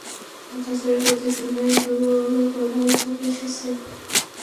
বাতাসের গতি শূন্যের দোরগোড়ায় চলে এসেছে!